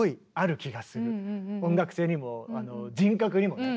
音楽性にも人格にもね。